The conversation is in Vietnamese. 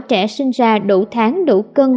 trẻ sinh ra đủ tháng đủ cân